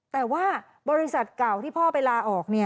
แต่ว่าบริษัทเก่าที่พ่อไปลาออก